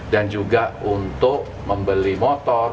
dan juga untuk membeli motor